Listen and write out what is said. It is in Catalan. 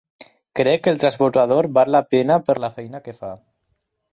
Crec que el transbordador val la pena per la feina que fa.